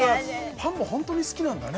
パンもホントに好きなんだね